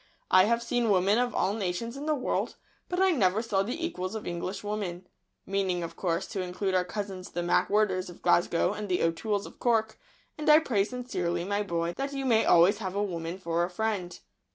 I have seen women of all nations in the world, but I never saw the equals of English women (meaning, of course, to include our cousins the MacWhirters of Glasgow and the O'Tooles of Cork); and I pray sincerely, my boy, that you may always have a woman for a friend."